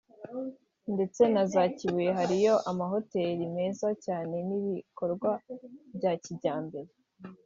ndetse na za Kibuye hariyo ama hotel meza cyane n’ibikorwa bya kijyambere